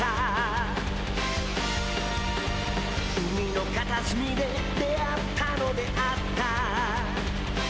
「海の片すみで出会ったのであった」